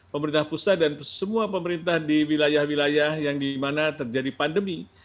pemerintah pusat dan semua pemerintah di wilayah wilayah yang dimana terjadi pandemi